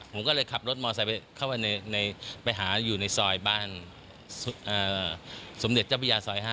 ผมก็เลยขับรถมอไซค์เข้าไปไปหาอยู่ในซอยบ้านสมเด็จเจ้าพระยาซอย๕